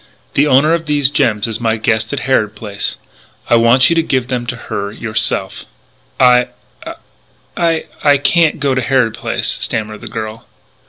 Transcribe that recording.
The owner of these gems is my guest at Harrod Place. I want you to give them to her yourself." "I I can't go to Harrod Place," stammered the girl.